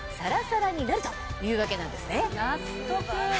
納得。